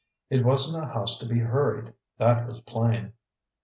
It wasn't a house to be hurried, that was plain.